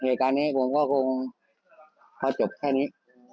เหตุการณ์นี้ผมก็คงพอจบแค่นี้